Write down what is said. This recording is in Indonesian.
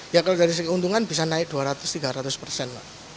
ya kalau dari segi keuntungan bisa naik dua ratus tiga ratus persen